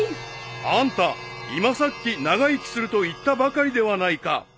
［あんた今さっき長生きすると言ったばかりではないか］